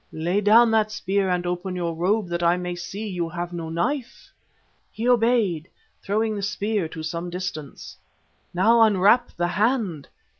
"'Lay down that spear and open your robe that I may see you have no knife.' "He obeyed, throwing the spear to some distance. "'Now unwrap the hand.